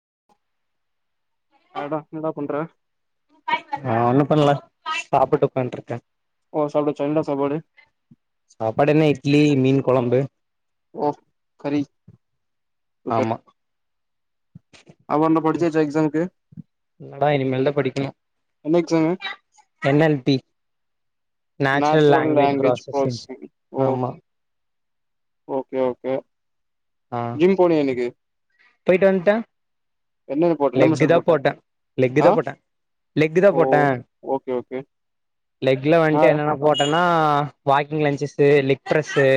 [inaudible] ஆட என்றா பண்ற நா ஒன்னு பண்ல சாப்ட்டுட்டு உக்காந்ருக்கே ஓ சாப்ட்டாச்சா என்ன சாப்பாடு சாப்பாடு என்ன இட்லி மீன் கொழம்பு ஓ கறி ஆமா அப்போ என்ன படிச்சாச்சா எக்ஸாம்க்கு என்னடா இனிமேல்தா படிக்கணு என்ன exam N L T natural language processing ஆமா ஓகே ஓகே ஆ ஜிம் போனியா இன்னைக்கு போயிட்டு வந்ட்ட என்ன போட்ட என்ன மசில் லெக்குதா போட்ட ஆ லெக்குதா போட்ட லெக்குதா ஓ போட்ட ஓகே ஓகே லெக்ல ஆ வந்ட்டு என்னன்ன போட்டேன்னா வாக்கிங் லஞ்சஸு லிப்ரஸ்ஸு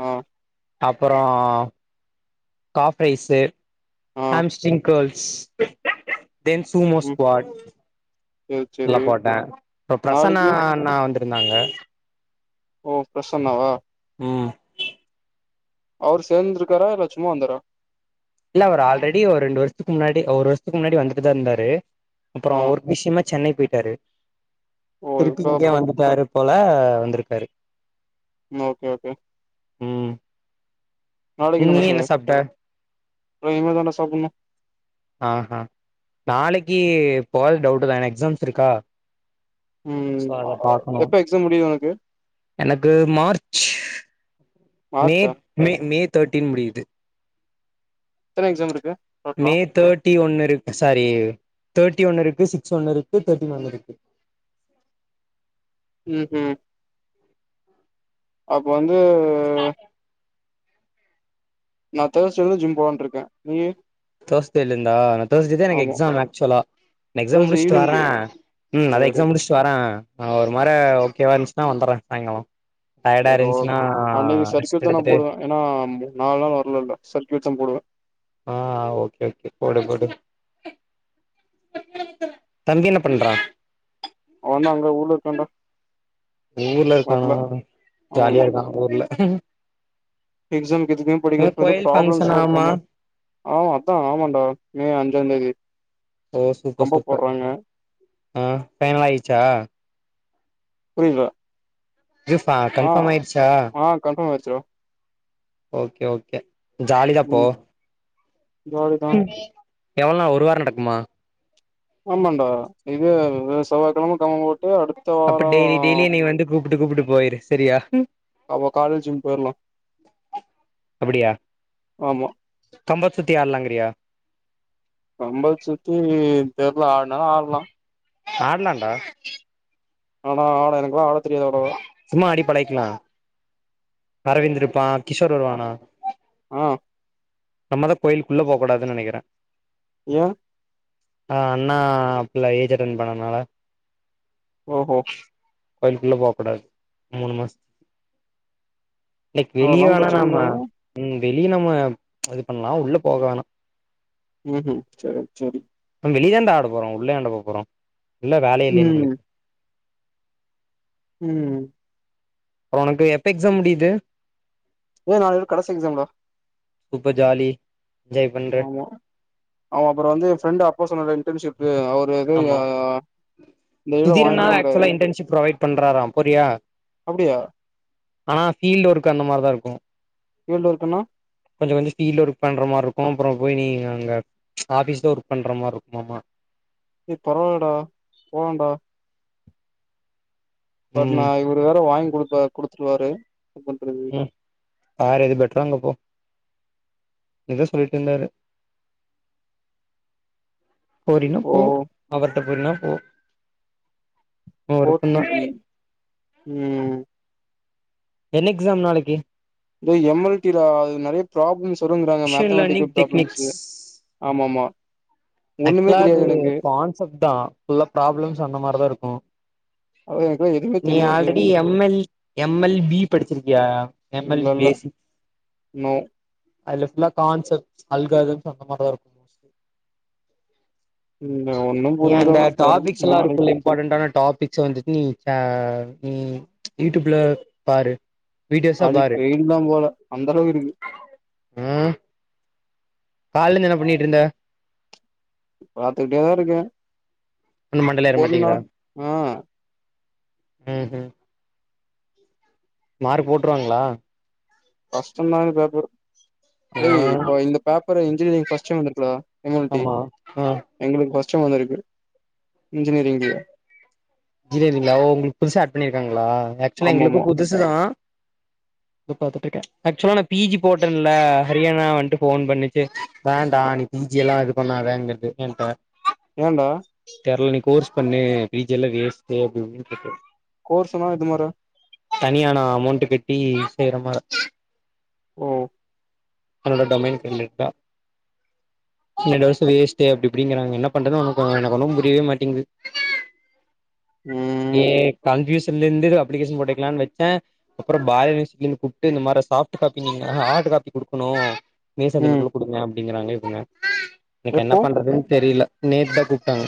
ஆ அப்பறோ காப் ரைஸு ஆ ஹாம்ஸ்டிங்க் கேர்ள்ஸ் தென் ம் சூமோஸ்க்வாட் சேரி சேரி இதல்லா போட்ட இப்ப பிரசன்னா நாளைக்கு அண்ணா வந்துருந்தாங்க ஓ பிரசன்னவா ம் அவரு சேர்ந்துருக்காரா இல்ல சும்மா வந்தாரா இல்ல அவர் ஆல்ரெடி ஒரு ரெண்டு வருஷத்துக்கு முன்னாடி ஒரு வருஷத்துக்கு முன்னாடி வந்துட்டுதா இருந்தாரு அப்புற ஆ ஒர்க் விஷயமா சென்னை போயிட்டாரு ஓ திருப்பி இப்ப இங்கேயே இப்ப வந்துட்டாரு போல வந்துருக்காரு மா ஓகே ஓகே நீ என்ன சாப்ட்ட நா இனிமே தாண்டா சாப்புட்ணு ஆஹ நாளைக்கி போறது டவுட்டுதா ஏனா எக்ஸாம்ஸ் இருக்கா சோ ம் அத பாக்கணு எப்ப எக்ஸாம் முடியு ஒனக்கு எனக்கு மார்ச்சு மே மார்ச்சா மே மே தேர்ட்டீன் முடியுது எத்தன எக்ஸாம் இருக்கு டோட்டலா மே தேர்ட்டி ஒன்னு இருக் சாரி தேர்ட்டி ஒன்னு இருக்கு சிக்ஸ் ஒன்னு இருக்கு தேர்ட்டின் ஒன்னு இருக்கு ம்ஹு அப்போ வந்து நா தேர்ஸ்டேருந்து ஜிம் போலானுருக்க நீயி தேஸ்டேலேந்தா நா தேஸ்டே தா எனக்கு ஆமா எக்ஸாமு ஆக்சுவலா எக்ஸா தேர்ஸ்டே முடிச்சுட்டு ஈவினிங்கு வர்றே ம் அதா சேரி எக்ஸா முடிச்சுட்டு வறே ஆ ஒரு மாறே ஓகேவா இருந்துச்சுன்னா வந்துறே சாங்காலோ செரி ஓகே அன்னைக்கி சர்க்யூட் தா நா எடுத்துட்டு போடுவே ஏன்னா [inaudible] நால் நாளா வர்லள்ள சர்க்யூட் [inaudible] போடுவ ஆ ஓகே ஓகே போடு போடு தம்பி என்ன பண்றா அவ வந்து அங்க ஊர்ல இருக்கண்ட ஊர்ல இருக்கான ஜாலியா இருக்கா ஊர்ல எக்ஸாக்கு எதுமே படிக்கில எதோ கோயில் ப்ராப்ளம்ஸ் ஃபங்க்ஷன் எல்லா ஆமா இருக்காமா ஆமா அத்தா ஆமாடா மே அஞ்சாந்தேதி ஓ சூப்ப கம்போ சூப்ப போட்றாங்க ஆ பைனல் ஆயிடுச்சா புரியில ஜூஃபா கன்ஃபாம் ஆயிடுச்ச ஆ கன்ஃபார்ம் ஆயிருச்சுடா ஓகே ஓகே ஜாலிதா போ ம் ஜாலிதா எவ்ளோனா ஒரு வார நடக்குமா ஆமாண்டா இது [unintelligible] செவ்வாக்கெழம களம்புமோ அப்ப டெய்லி டெய்லியு நீ வந்து கூப்புட்டு கூப்புட்டு போயிரு சரியா ஆமா காலேஜும் போயிர்லா ஆமா தொம்பத்துத்தி ஆட்லாங்கறியா கம்பல் சுத்தி தெர்ல ஆடுனாலு ஆட்லா ஆடலண்டா ஆனா ஆட எனக்குல்லா ஆட தெரியாது அவ்ளோவா சும்மா ஆடி பழகிக்லா அரவிந்திருப்பா கிஷோர் வருவானா ஆ நம்மதா கோயிலுக்குள்ள போ கூடாதுன்னு நெனைக்கிறே ஏ ஆ அண்ணா புள்ள ஏஜ் அட்டன் பண்ணனால ஓஹோ கோயிலுக்குள்ள போக்கூடாது மூணு மாசத்துக்கு இன்னைக்கி வெளிய அதெல்லா வேணா பிரச்சன இல்ல நம்ம ம் வெளிய நம்ம இது பண்ணலா உள்ள போக வேணா ம்ஹம் செர் செரி வெளியதாண்ட ஆட போறோ உள்ள ஏன்டா போறோ இல்ல வேல இல்லையே ம் நம்மளுக்கு ம் உனக்கு எப்ப எக்ஸா முடியுது ஒ நாளையோட கடசி எக்ஸாம்டா இப்ப ஜாலி என்ஜாய் பண்ற ஆமா அவ அப்றோ வந்து ஃப்ரண்டு அப்பா சொன்னாருல்ல இன்டன்ஷிப் [unintelligible] அவுரு ஏது சுதிர் அண்ணாவே ஆக்சுவலா இன்டர்ன்ஷிப் ப்ரொவைட் பண்றாரா போறியா அப்டியா ஆனா ஃபீல்டு ஒர்க் அந்த மாரி தா இருக்கு ஃபீல்டு ஒர்க்குன்னா கொஞ்சோ கொஞ்சோ ஃபீல்டு ஒர்க் பண்ணுற மார்ருக் கு அப்றோ போய் நீங்க அங்க ஆபிஸ்ல ஒர்க் பண்ற மாரி இருக்குமாமா ஏ பரவால்லடா போலாண்ட பட் நா ம் இவுரு வேற வாங்கி குடுத்த குடுத்துடுவாரு [inaudible] பண்றது ம் பாரு எது பெட்ரோ அங்க போ இதா சொல்லுட்டு இருந்தாரு போரினா ஓ போ அவர்ட போரினா போ உ போர் விருப்பந்தா டிவி ம் என்ன எக்ஸாம் நாளக்கி இதோ எம் எல் டிலா அது நெறைய ப்ராப்ளம்ஸ் தொருங்குறாங்க machine learning mathematical techniques problems ஆம ஆமா ஆக்சுலா அது கான்செப்ட்தா ஃபுல்லா ப்ராப்ளம்ஸ் அந்த மார்தா இருக்கு அதா எனக்கேய் நீ already M L M L P படிச்சிருக்கியா எம் எல் இல்லல்ல பேசிக் நோ அதுல ஃபுல்லா கான்செப்ட்ஸ் அல்காரிதம் அந்த மார்தா இருக்கு மோஸ்ட்லி இல்ல ஒன்னு நீ புரியல அந்த தெர்ல டாபிக்ஸ் எல்லா நாளைக் இருக்குள்ள இம்பார்ட்டன் ஆன டாபிக்ஸ்ஸ வந்துட் நீ ஆ நீ ம்ச் யூடியூப்ல பாரு வீடியோஸா அழி பாரு பெய்டுல்லா போல அந்தளவுக்கு இருக்கு ம் கால்ல இருந்து என்ன பண்ணிட்ருந்த பாத்துக்கிட்டேதா இருக்கே ஒண்ணு மண்டேல ஏற போதுன்டா மாட்டிங்குதா ஆ உஹம் மார்க் போட்ருவாங்களா கஸ்டமான பேப்பர் வை ம் இப்ப இந்த பேப்பர்ரு இன்ஜினியரிங் ஃபஸ்ட்டு வந்திருக்குடா எல் எம் டி ஆமா ஆ எங்களுக்கு ஃபர்ஸ்ட் சும் வந்திருக்கு இன்ஜினியரிங்ல இன்ஜினியரிங்ல உங்களுக்கு புதுசு ஆட் பண்ணியிருக்காங்களா ஆக்சுவல ஆமாமா எங்களுக்கு புதுசு தா இது பாத்துட்ருக்கே ஆக்சுவலா நா பி ஜி போட்டேன்ல ஹரியானா வன்ட்டு ஃபோன் பண்ணிச்சு வேண்டா இது பி ஜி எல்லா இது பண்ணாதங்கறது என்ட என்டா தெர்ல நீ கோர்ஸ் பண்ணு பி ஜி எல்லா வெஸ்ட்டு அப்டி இப்டின் திட்டு கோர்ஸ்ஸுனா இது மாரே தனியானா அமௌண்ட்டு கட்டி செய்ற மார ஓ அந்த டொமைன் கன்டைக்டா ரெண்டு வருஷோ வேஸ்ட்டு அப்டி இப்டிங்கறாங்க என்ன பண்றது ஒனக்கு எனக்கு ஒண்ணு புரியவே மாட்டிங்குது ஏ ம் கன்பியூஸ் திந்தந்தது அப்ளிகேஷன் போட்டுக்கல வச்சே அப்றோ பாய் யுனிவர்சிட்டி கூப்ட்டு இந்த மாரி ஃசாப்ட்டு காப்பி நீங்க ஆட் காப்பி குடுக்கணு ம் மேசன்டின்க்குள்ள குடுங்க அப்டிங்கறாங்க இவங்க எனக்கு என்ன எப்போ பண்றதுன் தெரியில நேத்தா கூப்ட்டாங்க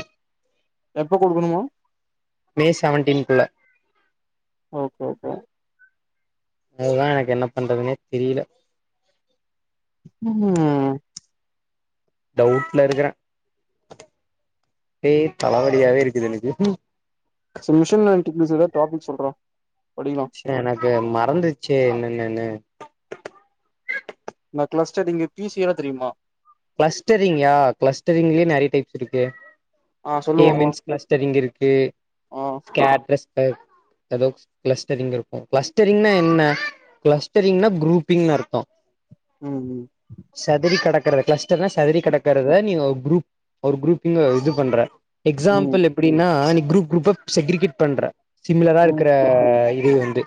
எப்ப குடுக்கணுமா மே செவன்டீன் குள்ள ஓகே ஓகே அதுதா எனக்கு என்ன பண்றதுன்னே தெரியில ம் டவுட்ல இருக்கற பே தலவலியாவே இருக்குது எனக்கு சம் மிஷன் [unintelligible] டாபிக் சொல்றா படிக்கலா ச எனக்கு மறந்துச்சே என்னன்னன்னு இந்த கிளஸ்டர்டு இங்க பீஸ் எவ்ளோ தெரியுமா கிளஸ்டரிங்யா கிளஸ்டரிங்லயே நெறைய டைப்ஸ் இருக்கு ஆ சொல்லு பாக்கலா கேமின்ஸ் கிளஸ்டரிங் இருக்கு ஆ ஸ்க்கேட்ரஸ் டைப் எதோக்ஸ் கிளஸ்டரிங் இருக்கு கிளஸ்டரிங்னா என்ன கிளஸ்டரிங்னா குரூப்பிங்னு அர்த்தோ ம் ம் க்கற கிளஸ்டர்னா செதரி கெடக்கறத நீங்க குரூப் ஒரு குரூப் இந்து இது பண்ற ம் ம் எக்ஸாம்பிள் எப்புடின்னா நீ குரூப் குரூப் செக்ரிகேட் பண்ற சிமிலரா ம் இருக்கற இத் இது வந்து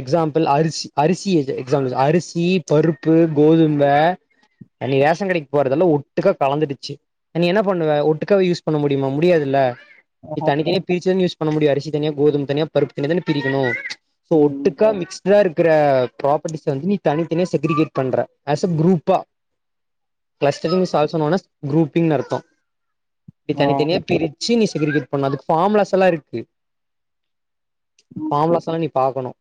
எக்ஸாம்பிள் அரிசி அரிசி எக்சாம்பிள் அரிசி பருப்பு கோதும அன்னிக்கு ரேஸ ன் கடைக்கு போறதல்லா ஒட்டுக்கா கலந்துடுச்சு நீ என்ன பண்ணுவ ஒட்டுக்க யூஸ் பண்ண முடியுமா முடியாதுல்ல நீ ஆஹா தனியே பிரிச்சேனு யூஸ் பண்ண முடியாது அரிசி தனியா கோதும தனியா பருப்பு தனியா தான பிரிக்கணோ சோ ம் ம் ஒட்டுக்கா மிக்ஸ்டா இருக் இக்குற ப்ராப்பர்ட்டி வந்து நீ தனித்தனியா செக்ரிகேட் பண்ற ஆஸ் அ குரூப்பா clustering is also known as குரூப்பிங்னு அர்த்தோ இது ஆ தனித்தனியா பிரித் சீனி செக்ரிகேட் பண்ண அதுக்கு ஃபார்முலாஸ் எல்லா இருக்கு ம் ஃபார்முலாஸ்லா நீ பாக்கணோ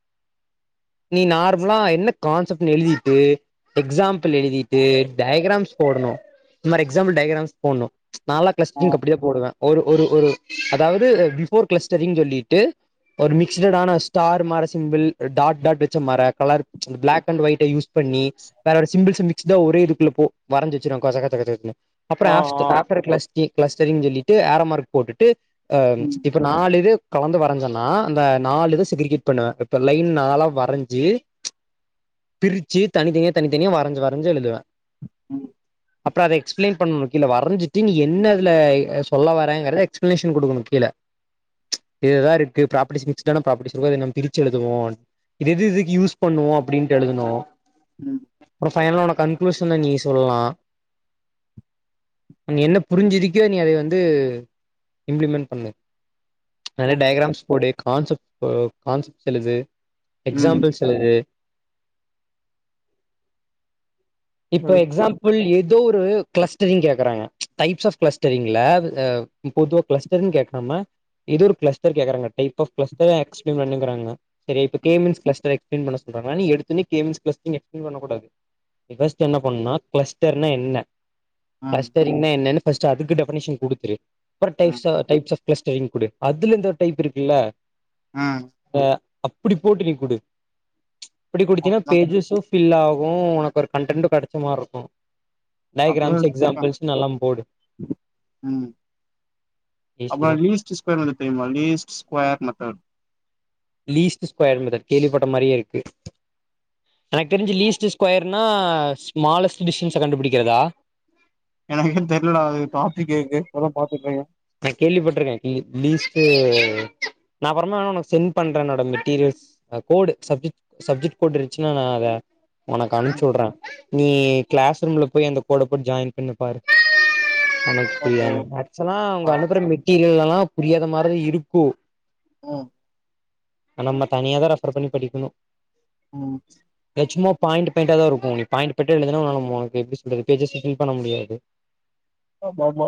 நீ நார்மலா என்ன கான்செப்ட் எழுதிட்டு எக்ஸாம்பிள் எழுதிட்டு டயாகிராம்ஸ் போடணோ இந்த மாரி எக்ஸாம்பிள் டயகிராம்ஸ் போடணோ நாலா ஆ கிளஸ்ஜிங் அப்டிதா போடுவே ஒரு ஒரு ஒரு அதாவது பிஃபோர் கிளஸ்டரிங் சொல்லிட்டு ஒரு மிக்ஸடான ஸ்டார் மாற சிம்பிள் டாட் டாட் வெச்ச மற colour black and white use பண்ணி வேற ஒரு சிம்பிள்ஸ் மிக்ஸ்டா ஒரே இதுக்குல்ல போ வரஞ்சு வெச்சுறாங்க கொச்ச கொச்ச கொச்சனு அப்புறோ ஆ ஆப்ஸ்ட்டு ஆ ஆஃப்டர் த க்ளாடரினு சொல்லிட்டு ஏறோ மார்க் போட்டுட்டு அ ம் இப்ப நாலு இது கலந்து வரஞ்சேனா அந்த நாலு இது சிகிரிகேட் பண்ணுவே இப்ப லைன் நாளா வரஞ்சி பிரிச்சு தனித்தனியா தனித்தனியா வரஞ்சு வரஞ்சு எழுதுவே உம் அப்புறோ அத எக்ஸ்பிளைன் பண்ணணோ கீழ வரஞ்சிட்டு நீ என்ன இதுல அ சொல்ல வரேங்கறத எக்ஸ்பிளனேஷன் குடுக்கணோ கீழ இதுதா இருக்கு ப்ராபர்ட்டி மிகஸடான ப்ராபர்ட்டி இருக்குபோது நம்ம பிரிச்சுஎழுதவோ இது எது இதுக்கு யூஸ் பண்ணுவோ அப்டீன்டு எழுதுவோ உம் பையன்ல உன கன்களூஷன்ல நீ சொல்லலா என்ன புரிஞ்சு இருக்குயோ நீ அத வந்து இம்ப்ளிமெண்ட் பண்ணு நறைய ஓகே டயகிராம்ஸ் போடு கான்செப்ட் கான்செப்ட் எழுது ம் எக்ஸாம்பிள் செலது இப்ப எழுதுப்பா எக்ஸாம்பிள் ஏது தோ ஒரு கிளஸ்டரிங் கேக்குறாங்க டைப்ஸ் ஆப் கிளஸ்டரிங்ல அ பொதுவா கிளஸ்டரிங் கேக்காம இது ஒரு க்ளஸ்டர் கேக்றாங்க டைப் ஆஃப் கிளஸ்டர் எக்ஸ்ப்ளிமெண்ட் ஸீங்குறாங்க சரியா இப்ப கே ம் மீல்ஸ் க்லஸ்டர் எக்ஸ்ப்ளைன் பண்ண சொ பாக்கலானு எடுத்தவொன்னே கேம்ஸ் க்ளஸ்ட்டுனு எக்ஸ்ப்ளைன் பண்ணக்கூாது விவெஸ்டோன என்ன பண்ணுனோ க்ளஸ்டர்னா என்ன ம் க்ளஸ்டரிங்னா என்னன்னு ஃபஸ்ட் அதுக்கு டெஃபினிஷன் குடுத்துரு அப்பறோ ம் டைஃப்ஸா டைப்ஸ் ஆஃப் க்ளஸ்டரிங் குடு அதுல இந்து ஒரு டைப் இருக்குல்ல ஆ அப்புடி போட்டு நீ குடு அப்டி குடுத்தீன்னா அப்டிதா பேஜஸும் ஃபில் ஆகோ உனக்கு ஒரு கன்டென்டோ கெடச்ச மாரி இருக்கோ அப்புறோ ம் ஈஸி அப்புறோ தான் லீஸ்டு ஸ்கொயர் மெத்தர்டு தெரியுமா least square method least square method கேள்விப்பட்ட மாரியே இருக்கு எனக்கு தெரிஞ்சு லீஸ்ட் ஸ்கொயர்னா ஸ்மாலஸ்ட் டிஸ்டன்ஸ கண்டுபிடிக்கிறதா எனக்கோ தெர்லடா அது காபி கேக்கு அதா பாத்துட்றக்க நா கேள்விப்பட்டிருக்கே லீஸ்டு நா அப்பறமா உனக்கு சென்ட் பண்றே என்னோட material code subject subject code இருச்சுன்னா நா அத உனக்கு ம் அனுப்சுவுடுற நீ கிளாஸ் ரூம்ல போய் அந்த கோடு போட்டு ஜாயின் பண்ணி பாரு உனக்கு ஓகே புரியாதோ ஆக்சுவலா அவுங்க ஆ அனுப்புற மெட்டீரியல்லலா புரியாத மாரி தா இருக்கோ ம் ஆ நம்ம தனியாதா ரெஃபர் பண்ணி படிக்கணோ ம் சும்மா பாயிண்ட் பாயிண்டாதா இருக்கு நீ பாயிண்ட் பாயின்ட்டா எழுதுனா உனக்கு எப்டி சொல்றது பேஜஸ்ச ஃபில் பண்ண முடியாது ஆமா ஆமா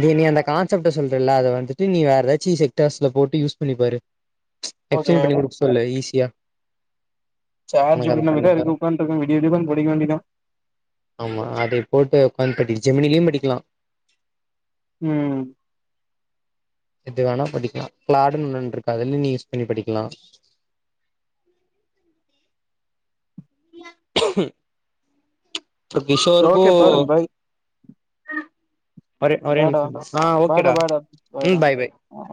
நீ நீ அந்த கான்செப்ட சொல்றல அத வந்துட்டு நீ வேற எதாச்சு செக்டர்ஸ்ல போட்டு யூஸ் பண்ணிப்பாரு ஓகே எக்ஸ்சேஞ்ச் பண்ணி குடுக்க சொல்லு ஈஸியா சார்ஜ் உனக்கு அது எப்டி பண்ணி நம்மகிட்ட இருக்கு தரே உட்க்கான்ட்டு இருக்க விடிய விடிய உக்கான் படிக்க வேண்டியதா ஆமா அதை போட்டு உக்காந்து படி ஜெமினிலயும் படிக்கலா ம் எது வேணா படிக்கலா க்ளாடுன்னு இன்னொனு இருக்கு அதுலயு நீ யூஸ் பண்ணி படிக்கலா ம் இப்ப சரி கிஷோருக்கு ஓகே பாரு பாய் ஒரே ஒரே பாய்டா நிமிஷ அ பாய்டா ஓகேடா பாய்டா ம் பாய்டா பாய் பாய் ஆ ஆ